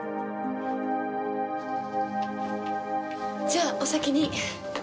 じゃあお先に。